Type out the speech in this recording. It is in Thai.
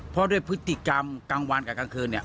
เพราะด้วยพฤติกรรมกลางวันกับกลางคืนเนี่ย